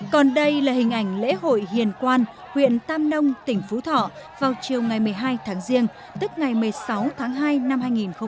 còn đây là hình ảnh lễ hội hiền quan huyện tam nông tỉnh phú thọ vào chiều ngày một mươi hai tháng riêng tức ngày một mươi sáu tháng hai năm hai nghìn hai mươi